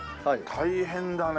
大変だね。